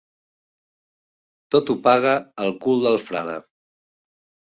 Tot ho paga el cul del frare.